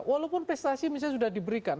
walaupun prestasi misalnya sudah diberikan